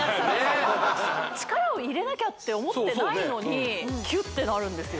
え力を入れなきゃって思ってないのにキュッてなるんですよ